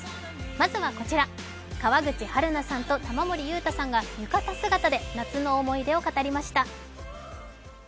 まずはこちら、川口春奈さんと玉森裕太さんが浴衣姿で夏の思い出を語りました。